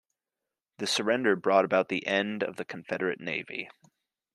This surrender brought about the end of the Confederate navy.